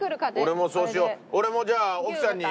俺もそうしよう。